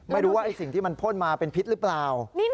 ไม่รู้ว่าสิ่งที่มันพ่นมาเป็นพิษหรือเปล่า